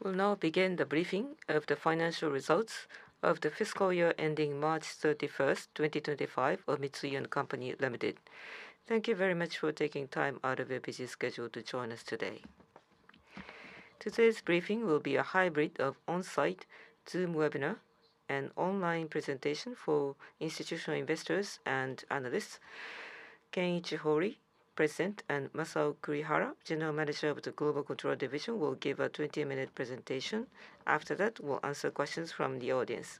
We'll now begin the briefing of the Financial Results Of The Fiscal Year Ending March 31, 2025, of Mitsui & Co., Ltd. Thank you very much for taking time out of your busy schedule to join us today. Today's briefing will be a hybrid of on-site Zoom webinar and online presentation for institutional investors and analysts. Kenichi Hori, President, and Masao Kurihara, General Manager of the Global Control Division, will give a 20-minute presentation. After that, we'll answer questions from the audience.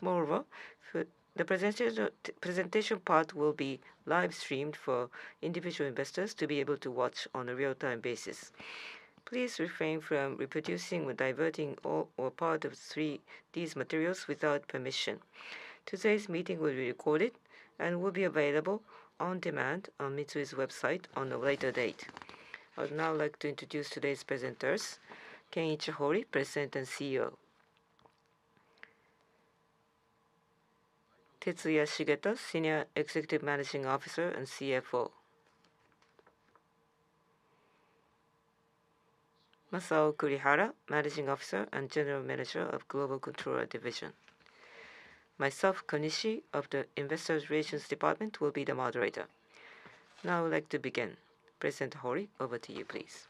Moreover, the presentation part will be live-streamed for individual investors to be able to watch on a real-time basis. Please refrain from reproducing or diverting all or part of these materials without permission. Today's meeting will be recorded and will be available on demand on Mitsui's website on a later date. I would now like to introduce today's presenters: Kenichi Hori, President and CEO; Tetsuya Shigeta, Senior Executive Managing Officer and CFO; Masao Kurihara, Managing Officer and General Manager of Global Control Division; and myself, Konishi, of the Investor Relations Department, will be the moderator. Now I would like to begin. President Hori, over to you, please.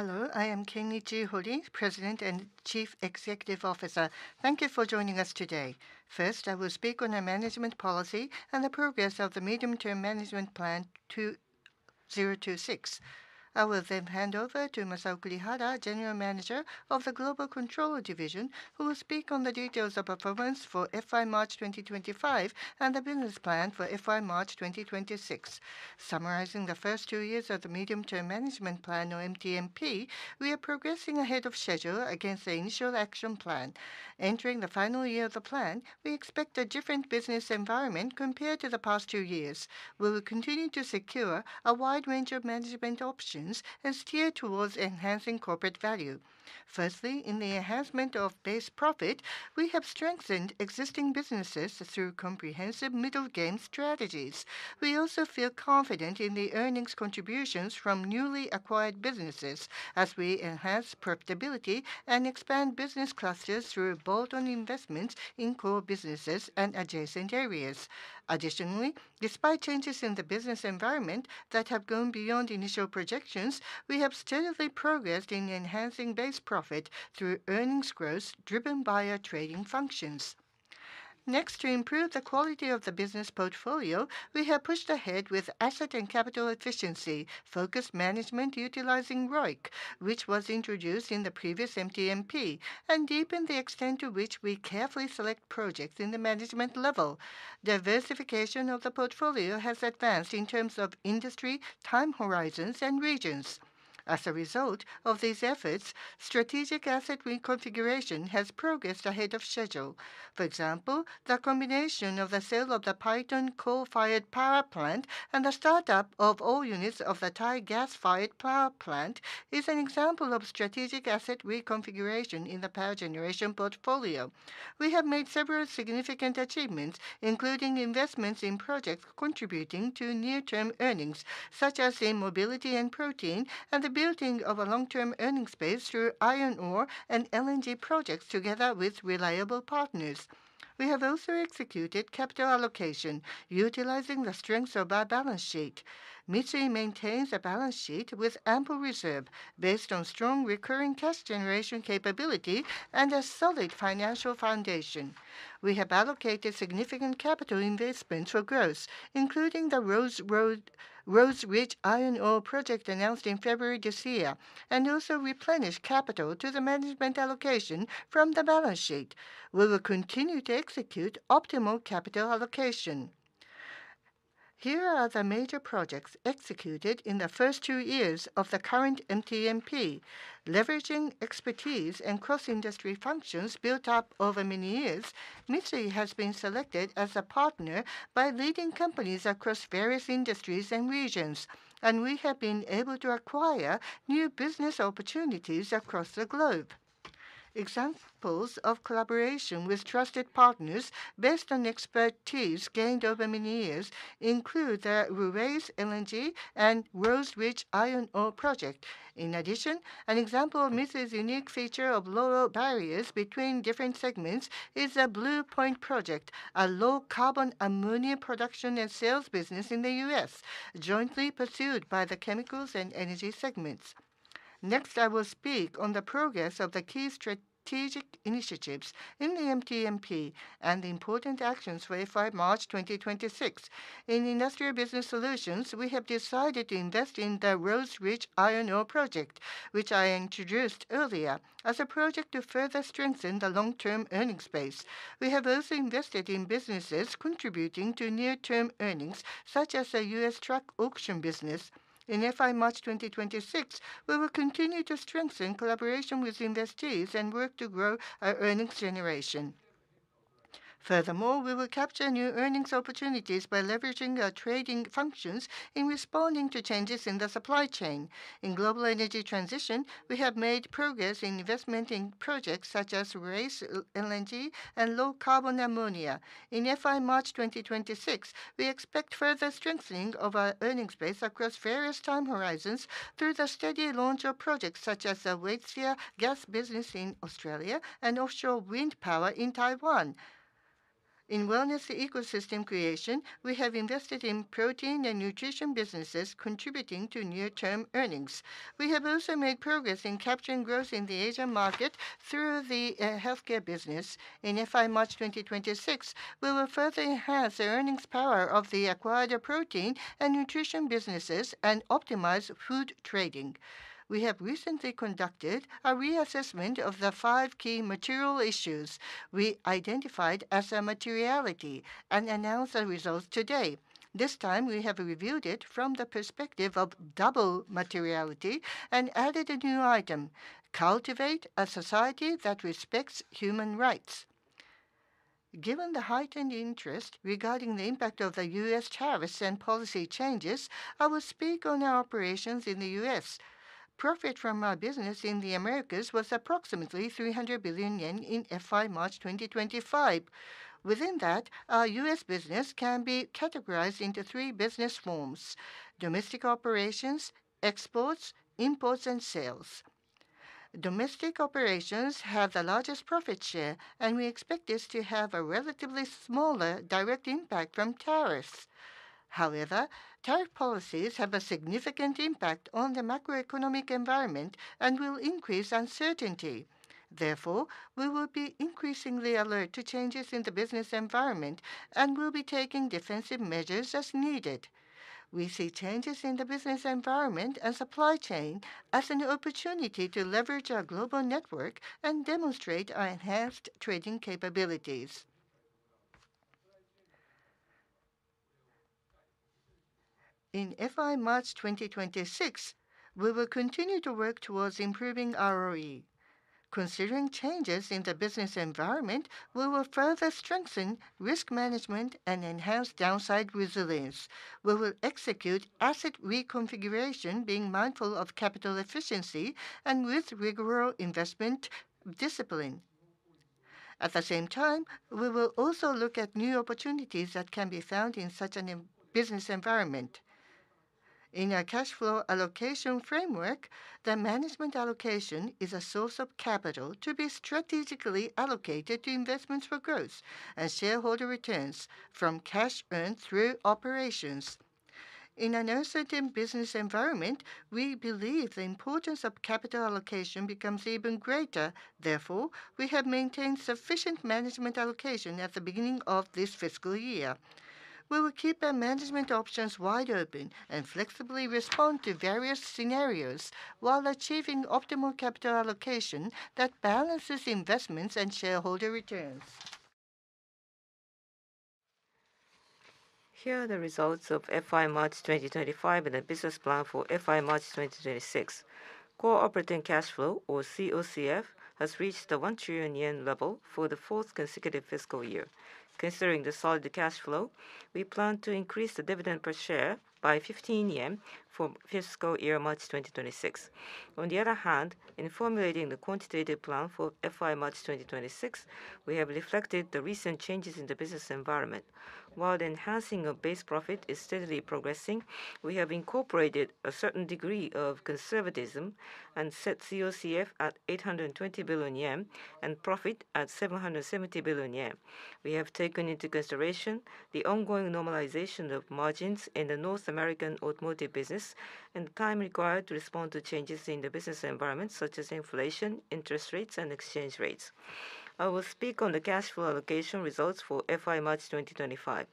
Hello. I am Kenichi Hori, President and Chief Executive Officer. Thank you for joining us today. First, I will speak on the management policy and the progress of the Medium-Term Management Plan 2026. I will then hand over to Masao Kurihara, General Manager of the Global Control Division, who will speak on the details of performance for FY March 2025 and the business plan for FY March 2026. Summarizing the first two years of the Medium-Term Management Plan, or MTMP, we are progressing ahead of schedule against the initial action plan. Entering the final year of the plan, we expect a different business environment compared to the past two years. We will continue to secure a wide range of management options and steer towards enhancing corporate value. Firstly, in the enhancement of base profit, we have strengthened existing businesses through comprehensive middle-game strategies. We also feel confident in the earnings contributions from newly acquired businesses as we enhance profitability and expand business clusters through bolt-on investments in core businesses and adjacent areas. Additionally, despite changes in the business environment that have gone beyond initial projections, we have steadily progressed in enhancing base profit through earnings growth driven via trading functions. Next, to improve the quality of the business portfolio, we have pushed ahead with asset and capital efficiency-focused management utilizing ROIC, which was introduced in the previous MTMP, and deepened the extent to which we carefully select projects in the management level. Diversification of the portfolio has advanced in terms of industry, time horizons, and regions. As a result of these efforts, strategic asset reconfiguration has progressed ahead of schedule. For example, the combination of the sale of the Paiton coal-fired power plant and the start-up of all units of the Thai gas-fired power plant is an example of strategic asset reconfiguration in the power generation portfolio. We have made several significant achievements, including investments in projects contributing to near-term earnings, such as in mobility and protein, and the building of a long-term earnings base through iron ore and LNG projects together with reliable partners. We have also executed capital allocation utilizing the strengths of our balance sheet. Mitsui maintains a balance sheet with ample reserve based on strong recurring cash generation capability and a solid financial foundation. We have allocated significant capital investments for growth, including the Rhodes Ridge iron ore project announced in February this year, and also replenished capital to the management allocation from the balance sheet. We will continue to execute optimal capital allocation. Here are the major projects executed in the first two years of the current MTMP. Leveraging expertise and cross-industry functions built up over many years, Mitsui has been selected as a partner by leading companies across various industries and regions, and we have been able to acquire new business opportunities across the globe. Examples of collaboration with trusted partners based on expertise gained over many years include the Ruwais LNG and Rhodes Ridge iron ore project. In addition, an example of Mitsui's unique feature of lower barriers between different segments is the Beaumont project, a low-carbon ammonia production and sales business in the U.S., jointly pursued by the Chemicals and Energy segments. Next, I will speak on the progress of the key strategic initiatives in the MTMP and important actions for FY March 2026. In Industrial Business Solutions, we have decided to invest in the Rhodes Ridge iron ore project, which I introduced earlier, as a project to further strengthen the long-term earnings base. We have also invested in businesses contributing to near-term earnings, such as the U.S. truck auction business. In FY March 2026, we will continue to strengthen collaboration with investees and work to grow our earnings generation. Furthermore, we will capture new earnings opportunities by leveraging our trading functions in responding to changes in the supply chain. In global energy transition, we have made progress in investment in projects such as Ruwais LNG and low-carbon ammonia. In FY March 2026, we expect further strengthening of our earnings base across various time horizons through the steady launch of projects such as the Waitsia gas business in Australia and offshore wind power in Taiwan. In wellness ecosystem creation, we have invested in protein and nutrition businesses contributing to near-term earnings. We have also made progress in capturing growth in the Asian market through the healthcare business. In FY March 2026, we will further enhance the earnings power of the acquired protein and nutrition businesses and optimize food trading. We have recently conducted a reassessment of the five key material issues we identified as a materiality and announced the results today. This time, we have reviewed it from the perspective of double materiality and added a new item: cultivate a society that respects human rights. Given the heightened interest regarding the impact of the U.S. tariffs and policy changes, I will speak on our operations in the U.S. Profit from our business in the Americas was approximately 300 billion yen in FY March 2025. Within that, our U.S. Business can be categorized into three business forms: domestic operations, exports, imports, and sales. Domestic operations have the largest profit share, and we expect this to have a relatively smaller direct impact from tariffs. However, tariff policies have a significant impact on the macroeconomic environment and will increase uncertainty. Therefore, we will be increasingly alert to changes in the business environment and will be taking defensive measures as needed. We see changes in the business environment and supply chain as an opportunity to leverage our global network and demonstrate our enhanced trading capabilities. In FY March 2026, we will continue to work towards improving ROE. Considering changes in the business environment, we will further strengthen risk management and enhance downside resilience. We will execute asset reconfiguration, being mindful of capital efficiency and with rigorous investment discipline. At the same time, we will also look at new opportunities that can be found in such a business environment. In our cash flow allocation framework, the management allocation is a source of capital to be strategically allocated to investments for growth and shareholder returns from cash earned through operations. In an uncertain business environment, we believe the importance of capital allocation becomes even greater. Therefore, we have maintained sufficient management allocation at the beginning of this fiscal year. We will keep our management options wide open and flexibly respond to various scenarios while achieving optimal capital allocation that balances investments and shareholder returns. Here are the results of FY March 2025 and the business plan for FY March 2026. Core operating cash flow, or COCF, has reached the 1 trillion yen level for the fourth consecutive fiscal year. Considering the solid cash flow, we plan to increase the dividend per share by 15 yen for fiscal year March 2026. On the other hand, in formulating the quantitative plan for FY March 2026, we have reflected the recent changes in the business environment. While the enhancing of base profit is steadily progressing, we have incorporated a certain degree of conservatism and set COCF at 820 billion yen and profit at 770 billion yen. We have taken into consideration the ongoing normalization of margins in the North American automotive business and the time required to respond to changes in the business environment, such as inflation, interest rates, and exchange rates. I will speak on the cash flow allocation results for FY March 2025.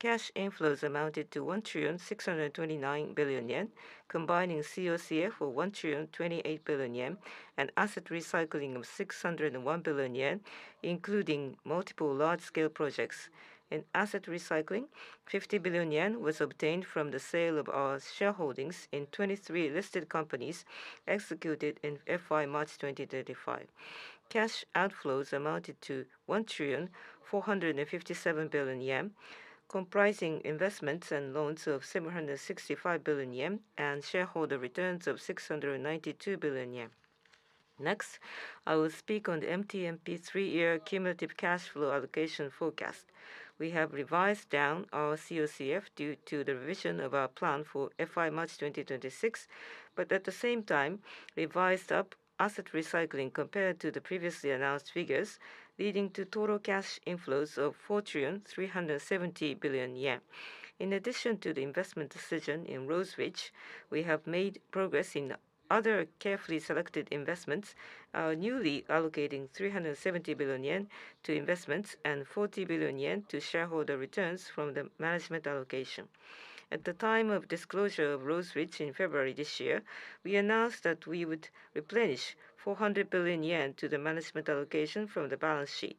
Cash inflows amounted to 1 trillion 629 billion, combining COCF of 1 trillion 28 billion and asset recycling of 601 billion yen, including multiple large-scale projects. In asset recycling, 50 billion yen was obtained from the sale of our shareholdings in 23 listed companies executed in FY March 2025. Cash outflows amounted to 1 trillion 457 billion, comprising investments and loans of 765 billion yen and shareholder returns of 692 billion yen. Next, I will speak on the MTMP three-year cumulative cash flow allocation forecast. We have revised down our COCF due to the revision of our plan for FY March 2026, but at the same time, revised up asset recycling compared to the previously announced figures, leading to total cash inflows of 4 trillion 370 billion. In addition to the investment decision in Rhodes Ridge, we have made progress in other carefully selected investments, newly allocating 370 billion yen to investments and 40 billion yen to shareholder returns from the management allocation. At the time of disclosure of Rhodes Ridge in February this year, we announced that we would replenish 400 billion yen to the management allocation from the balance sheet.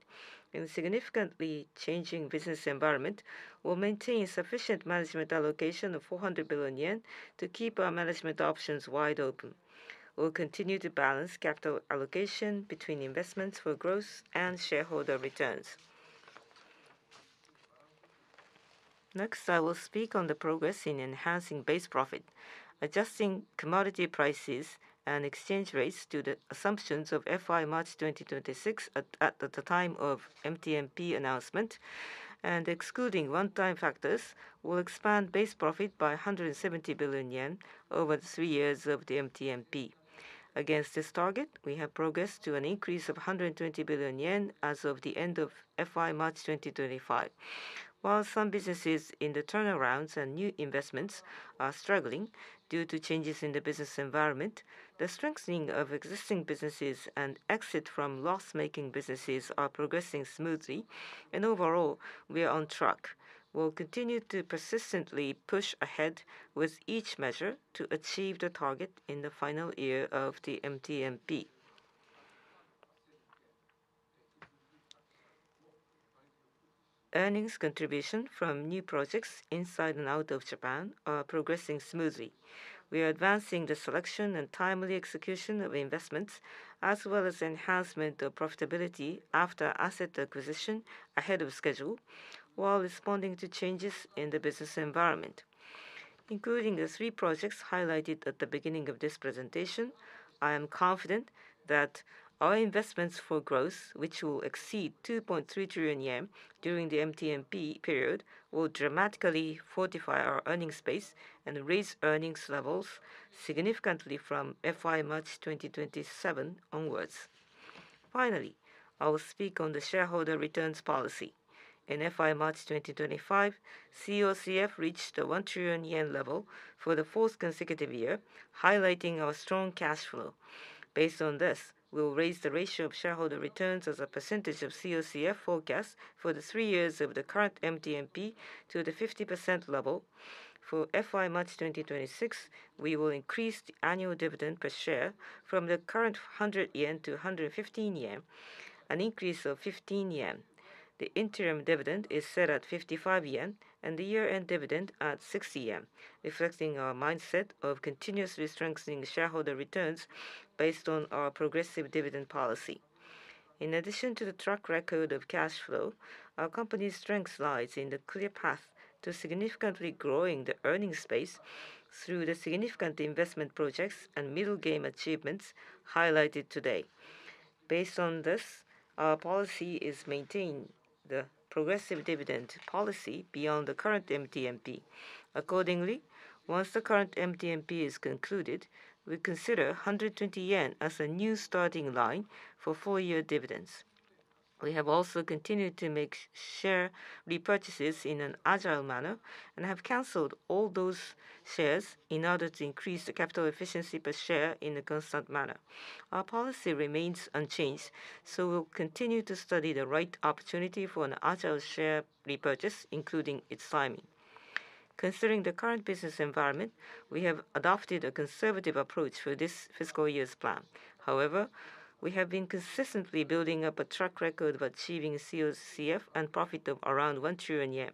In a significantly changing business environment, we will maintain sufficient management allocation of 400 billion yen to keep our management options wide open. We will continue to balance capital allocation between investments for growth and shareholder returns. Next, I will speak on the progress in enhancing base profit, adjusting commodity prices and exchange rates to the assumptions of FY March 2026 at the time of MTMP announcement, and excluding runtime factors, we will expand base profit by 170 billion yen over the three years of the MTMP. Against this target, we have progressed to an increase of 120 billion yen as of the end of FY March 2025. While some businesses in the turnarounds and new investments are struggling due to changes in the business environment, the strengthening of existing businesses and exit from loss-making businesses are progressing smoothly, and overall, we are on track. We will continue to persistently push ahead with each measure to achieve the target in the final year of the MTMP. Earnings contribution from new projects inside and out of Japan are progressing smoothly. We are advancing the selection and timely execution of investments, as well as enhancement of profitability after asset acquisition ahead of schedule, while responding to changes in the business environment. Including the three projects highlighted at the beginning of this presentation, I am confident that our investments for growth, which will exceed 2.3 trillion yen during the MTMP period, will dramatically fortify our earnings base and raise earnings levels significantly from FY March 2027 onwards. Finally, I will speak on the shareholder returns policy. In FY March 2025, COCF reached the 1 trillion yen level for the fourth consecutive year, highlighting our strong cash flow. Based on this, we will raise the ratio of shareholder returns as a percentage of COCF forecast for the three years of the current MTMP to the 50% level. For FY March 2026, we will increase the annual dividend per share from the current 100 yen to 115 yen, an increase of 15 yen. The interim dividend is set at 55 yen, and the year-end dividend at 60 yen, reflecting our mindset of continuously strengthening shareholder returns based on our progressive dividend policy. In addition to the track record of cash flow, our company's strength lies in the clear path to significantly growing the earnings base through the significant investment projects and middle-game achievements highlighted today. Based on this, our policy is maintaining the progressive dividend policy beyond the current MTMP. Accordingly, once the current MTMP is concluded, we consider 120 yen as a new starting line for four-year dividends. We have also continued to make share repurchases in an agile manner and have canceled all those shares in order to increase the capital efficiency per share in a constant manner. Our policy remains unchanged, so we will continue to study the right opportunity for an agile share repurchase, including its timing. Considering the current business environment, we have adopted a conservative approach for this fiscal year's plan. However, we have been consistently building up a track record of achieving COCF and profit of around 1 trillion yen.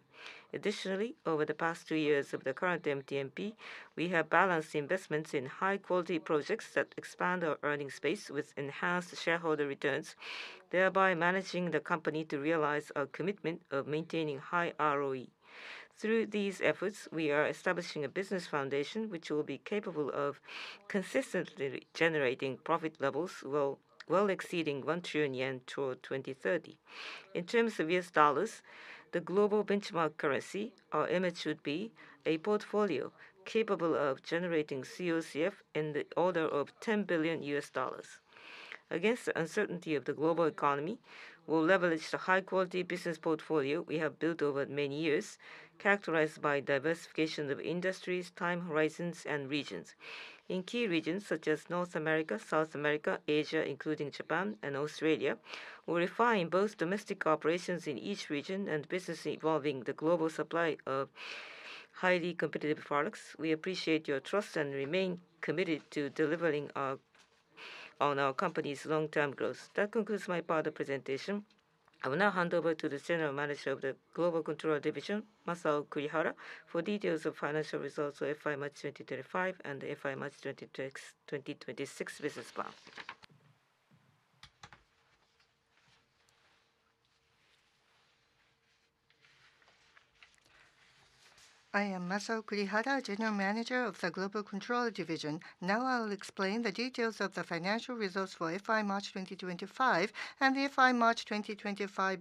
Additionally, over the past two years of the current MTMP, we have balanced investments in high-quality projects that expand our earnings base with enhanced shareholder returns, thereby managing the company to realize our commitment of maintaining high ROE. Through these efforts, we are establishing a business foundation which will be capable of consistently generating profit levels well exceeding 1 trillion yen toward 2030. In terms of U.S. dollars, the global benchmark currency, our image should be a portfolio capable of generating COCF in the order of $10 billion. Against the uncertainty of the global economy, we will leverage the high-quality business portfolio we have built over many years, characterized by diversification of industries, time horizons, and regions. In key regions such as North America, South America, Asia, including Japan and Australia, we will refine both domestic operations in each region and businesses involving the global supply of highly competitive products. We appreciate your trust and remain committed to delivering on our company's long-term growth. That concludes my part of the presentation. I will now hand over to the General Manager of the Global Control Division, Masao Kurihara, for details of financial results for FY March 2025 and the FY March 2026 business plan. I am Masao Kurihara, General Manager of the Global Control Division. Now I will explain the details of the financial results for FY March 2025 and the FY March 2025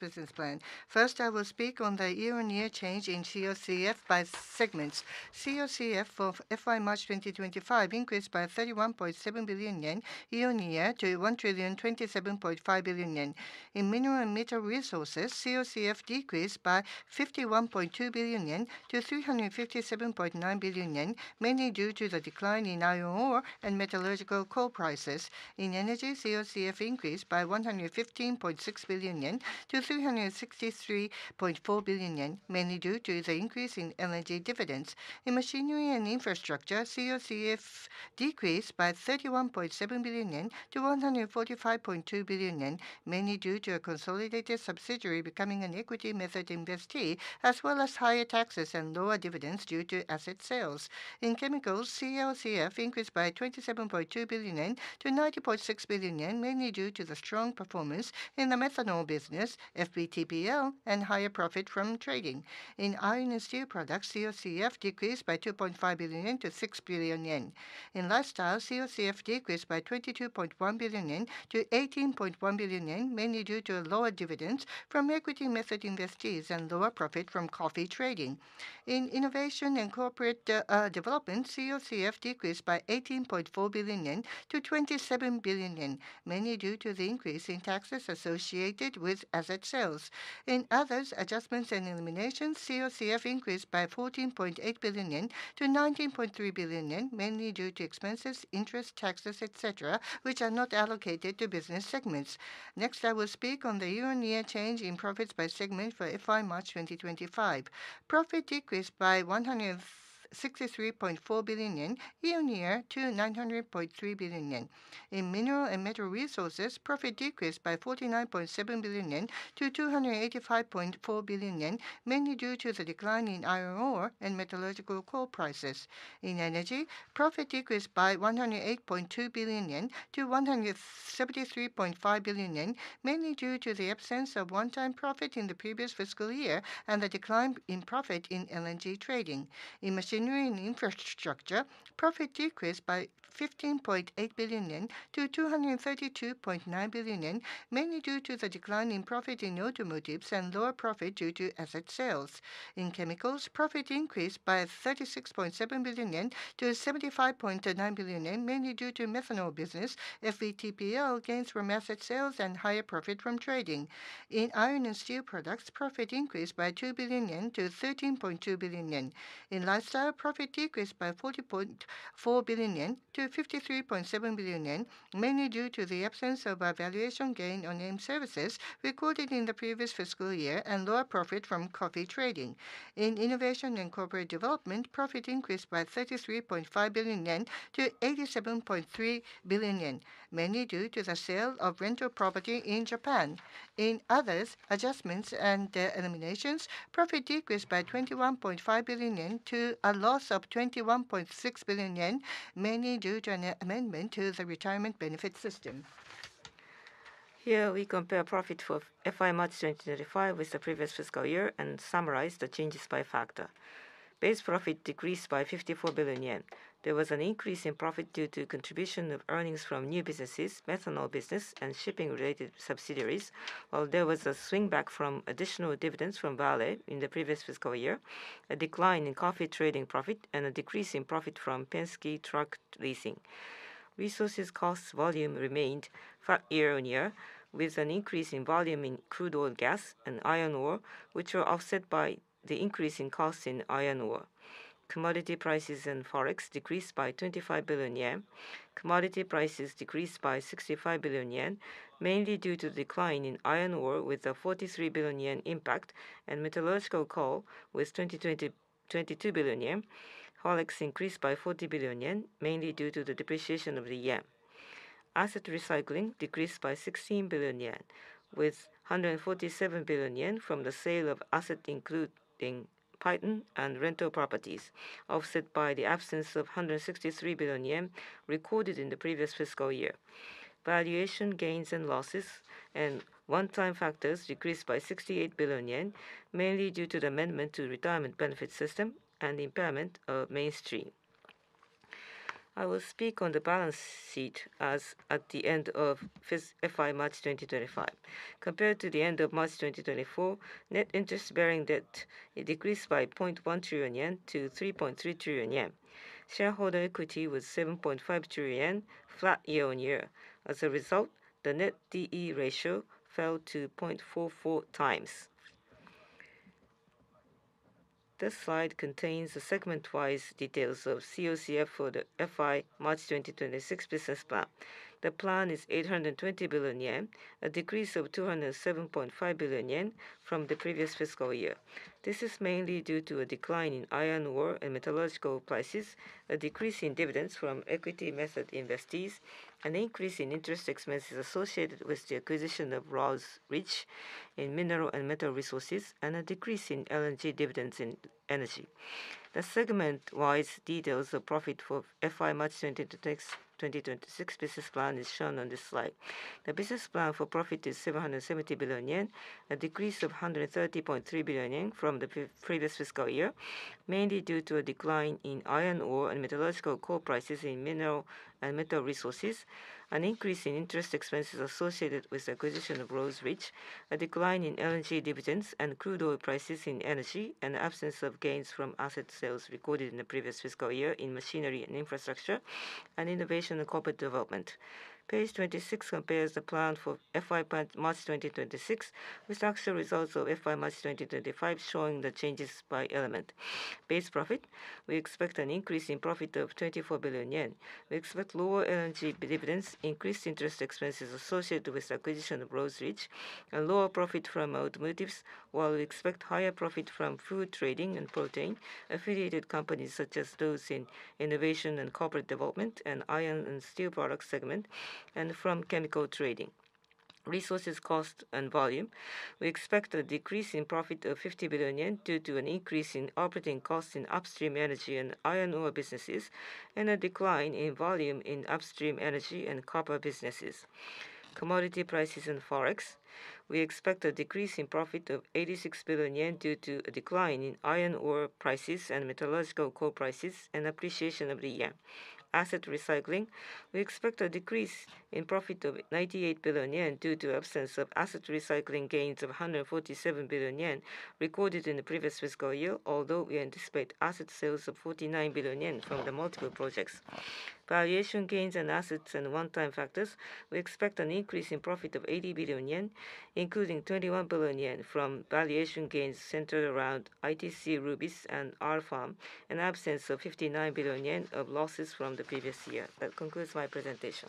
business plan. First, I will speak on the year-on-year change in COCF by segments. COCF for FY March 2025 increased by 31.7 billion yen year-on-year to 1 trillion 27.5 billion. In Mineral & Metal Resources, COCF decreased by 51.2 billion yen to 357.9 billion yen, mainly due to the decline in iron ore and metallurgical coal prices. In Energy, COCF increased by 115.6 billion yen to 363.4 billion yen, mainly due to the increase in Energy dividends. In Machinery & Infrastructure, COCF decreased by 31.7 billion yen to 145.2 billion yen, mainly due to a consolidated subsidiary becoming an equity-method investee, as well as higher taxes and lower dividends due to asset sales. In Chemicals, COCF increased by 27.2 billion yen to 90.6 billion yen, mainly due to the strong performance in the methanol business, FPTPL, and higher profit from trading. In Iron & Steel Products, COCF decreased by 2.5 billion yen to 6 billion yen. In Lifestyle, COCF decreased by 22.1 billion yen to 18.1 billion yen, mainly due to lower dividends from equity-method investees and lower profit from coffee trading. In Innovation & Corporate Development, COCF decreased by 18.4 billion yen to 27 billion yen, mainly due to the increase in taxes associated with asset sales. In others, adjustments and eliminations, COCF increased by 14.8 billion yen to 19.3 billion yen, mainly due to expenses, interest, taxes, etc., which are not allocated to business segments. Next, I will speak on the year-on-year change in profits by segment for FY March 2025. Profit decreased by 163.4 billion yen year-on-year to 900.3 billion yen. In Mineral & Metal Resources, profit decreased by 49.7 billion yen to 285.4 billion yen, mainly due to the decline in iron ore and metallurgical coal prices. In Energy, profit decreased by 108.2 billion yen to 173.5 billion yen, mainly due to the absence of one-time profit in the previous fiscal year and the decline in profit in LNG trading. In Machinery & Infrastructure, profit decreased by 15.8 billion yen to 232.9 billion yen, mainly due to the decline in profit in automotives and lower profit due to asset sales. In Chemicals, profit increased by 36.7 billion yen to 75.9 billion yen, mainly due to methanol business, FPTPL gains from asset sales, and higher profit from trading. In Iron & Steel Products, profit increased by 2 billion yen to 13.2 billion yen. In Lifestyle, profit decreased by 40.4 billion yen to 53.7 billion yen, mainly due to the absence of a valuation gain on services recorded in the previous fiscal year and lower profit from coffee trading. In Innovation & Corporate Development, profit increased by 33.5 billion yen to 87.3 billion yen, mainly due to the sale of rental property in Japan. In others, adjustments and eliminations, profit decreased by 21.5 billion yen to a loss of 21.6 billion yen, mainly due to an amendment to the retirement benefit system. Here we compare profit for FY March 2025 with the previous fiscal year and summarize the changes by factor. Base profit decreased by 54 billion yen. There was an increase in profit due to contribution of earnings from new businesses, methanol business, and shipping-related subsidiaries, while there was a swing back from additional dividends from Vale in the previous fiscal year, a decline in coffee trading profit, and a decrease in profit from Penske Truck Leasing. Resources cost volume remained year-on-year, with an increase in volume in crude oil gas and iron ore, which were offset by the increase in costs in iron ore. Commodity prices and forex decreased by 25 billion yen. Commodity prices decreased by 65 billion yen, mainly due to the decline in iron ore with a 43 billion yen impact and metallurgical coal with 222 billion yen. Forex increased by 40 billion yen, mainly due to the depreciation of the yen. Asset recycling decreased by 16 billion yen, with 147 billion yen from the sale of assets including Paiton and rental properties, offset by the absence of 163 billion yen recorded in the previous fiscal year. Valuation gains and losses and one-time factors decreased by 68 billion yen, mainly due to the amendment to retirement benefit system and impairment of Mainstream. I will speak on the balance sheet as at the end of FY March 2025. Compared to the end of March 2024, net interest-bearing debt decreased by 0.1 trillion yen to 3.3 trillion yen. Shareholder equity was 7.5 trillion yen, flat year-on-year. As a result, the net D/E ratio fell to 0.44 times. This slide contains the segment-wise details of COCF for the FY March 2026 business plan. The plan is 820 billion yen, a decrease of 207.5 billion yen from the previous fiscal year. This is mainly due to a decline in iron ore and metallurgical coal prices, a decrease in dividends from equity-method investees, an increase in interest expenses associated with the acquisition of Rhodes Ridge in Mineral & Metal Resources, and a decrease in LNG dividends in Energy. The segment-wise details of profit for FY March 2026 business plan is shown on this slide. The business plan for profit is 770 billion yen, a decrease of 130.3 billion yen from the previous fiscal year, mainly due to a decline in iron ore and metallurgical coal prices in Mineral & Metal Resources, an increase in interest expenses associated with the acquisition of Rhodes Ridge, a decline in LNG dividends and crude oil prices in Energy, and the absence of gains from asset sales recorded in the previous fiscal year in Machinery & Infrastructure, and Innovation & Corporate Development. Page 26 compares the plan for FY March 2026 with actual results of FY March 2025 showing the changes by element. Base profit, we expect an increase in profit of 24 billion yen. We expect lower LNG dividends, increased interest expenses associated with the acquisition of Rhodes Ridge, and lower profit from automotives, while we expect higher profit from food trading and protein, affiliated companies such as those in Innovation & Corporate Development, and Iron & Steel Product segment, and from chemical trading. Resources cost and volume, we expect a decrease in profit of 50 billion yen due to an increase in operating costs in upstream energy and iron ore businesses, and a decline in volume in upstream energy and copper businesses. Commodity prices and forex, we expect a decrease in profit of 86 billion yen due to a decline in iron ore prices and metallurgical coal prices and appreciation of the yen. Asset recycling, we expect a decrease in profit of 98 billion yen due to the absence of asset recycling gains of 147 billion yen recorded in the previous fiscal year, although we anticipate asset sales of 49 billion yen from the multiple projects. Valuation gains and assets and one-time factors, we expect an increase in profit of 80 billion yen, including 21 billion yen from valuation gains centered around ITC Rubis and R-Pharm, and the absence of 59 billion yen of losses from the previous year. That concludes my presentation.